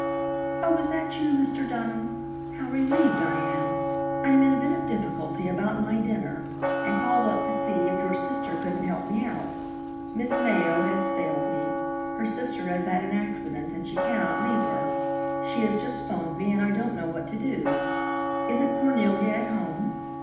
"Oh, is that you, Mr. Dunham? How relieved I am! I am in a bit of difficulty about my dinner, and called up to see if your sister couldn't help me out. Miss Mayo has failed me. Her sister has had an accident, and she cannot leave her. She has just 'phoned me, and I don't know what to do. Isn't Cornelia at home?